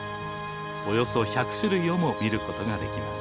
およそ１００種類をも見ることができます。